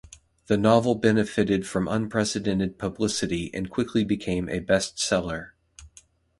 The novel benefitted from unprecedented publicity and quickly became a best-seller.